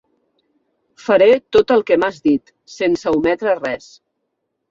Faré tot el que m'has dit, sense ometre res.